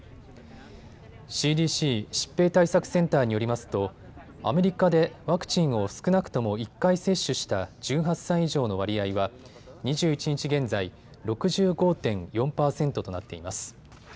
ＣＤＣ・疾病対策センターによりますとアメリカでワクチンを少なくとも１回接種した１８歳以上の割合は２１日現在、６５．４％となっています。